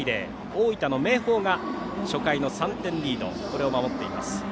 大分の明豊が初回の３点リードこれを守っています。